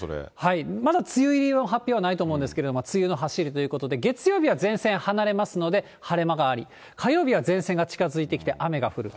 まだ梅雨入りの発表はないと思うんですけれども、梅雨の走りということで、月曜日は前線離れますので、晴れ間があり、火曜日は前線が近づいてきて、雨が降る。